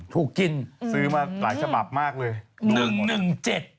ถูกกินซื้อมาหลายสมัครมากเลยหนึ่งหนึ่งเจ็ด